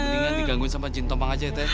mendingan digangguin sama jin tomang aja ya teteh